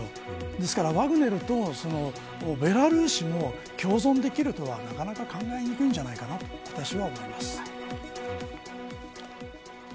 ですからワグネルとベラルーシも共存できるとはなかなか考えにくいと私は思います。